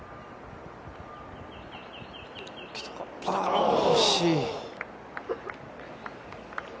あ、惜しい。